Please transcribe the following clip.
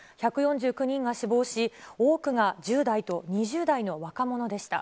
１４９人が死亡し、多くが１０代と２０代の若者でした。